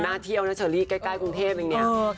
หน้าที่เอานะเฉลี่ใกล้กรุงเทพฯอย่างนี้